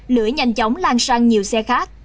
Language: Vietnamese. lửa nhanh chóng lan sang nhiều xe khác